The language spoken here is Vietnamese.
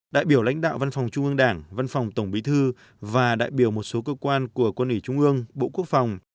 đại biểu lãnh đạo văn phòng trung ương đảng văn phòng tổng bí thư và đại biểu một số cơ quan của quân ủy trung ương bộ quốc phòng